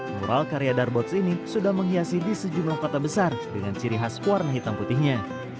mural karya darbox ini sudah menghiasi di sejumlah kota besar dengan ciri khas warna hitam putihnya